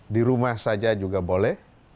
di rumah saja juga boleh